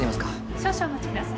少々お待ちください